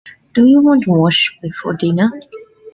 Do you want to wash before dinner?